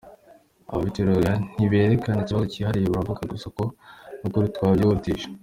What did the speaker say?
Ababiturega ntiberekana ikibazo cyihariye, baravuga gusa ngo turi kubyihutisha.